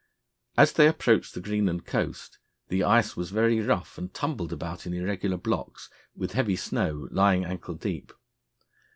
As they approached the Greenland coast the ice was very rough and tumbled about in irregular blocks, with heavy snow lying ankle deep.